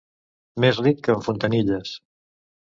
Més ric que en Fontanilles.